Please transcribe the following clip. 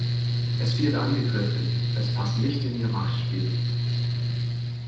Es wird angegriffen, es passt nicht in ihr Machtspiel.